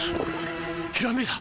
ひらめいた！